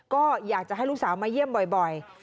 ก็อยากจะให้ลูกสาวมาเยี่ยมบ่อย